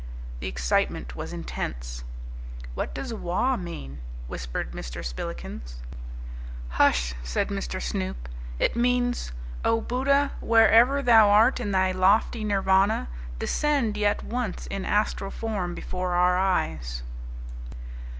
The excitement was intense. "What does wah mean?" whispered Mr. Spillikins. "Hush!" said Mr. Snoop; "it means, 'O Buddha, wherever thou art in thy lofty Nirvana, descend yet once in astral form before our eyes!'"